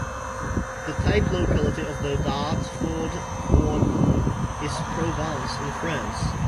The type locality of the Dartford warbler is Provence in France.